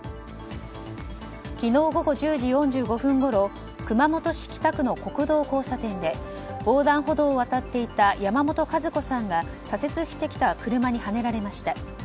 昨日午後１０時４５分ごろ熊本市北区の国道交差点で横断歩道を渡っていた山本和子さんが左折してきた車にはねられました。